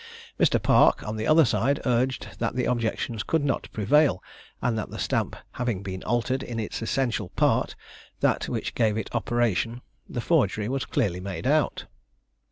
Mr. Park on the other side, urged that the objections could not prevail; and that the stamp having been altered in its essential part that which gave it operation, the forgery was clearly made out.